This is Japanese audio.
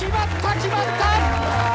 決まった！